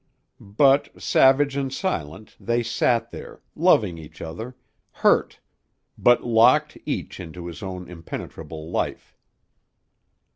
But, savage and silent, they sat there, loving each other, hurt, but locked each into his own impenetrable life.